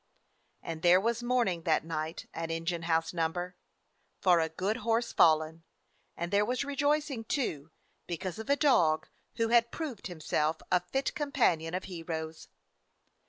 And there was mourning that night at Engine House No. — for a good horse fallen, And there was rejoicing, too, because of a dog who had proved himself a fit companion of heroes.